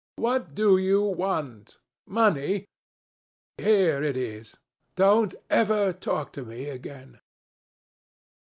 "What do you want? Money? Here it is. Don't ever talk to me again."